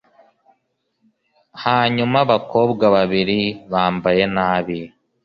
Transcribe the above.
Hanyuma abakobwa babiri bambaye nabi